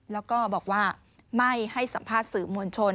แล้วก็บอกว่าไม่ให้สัมภาษณ์สื่อมวลชน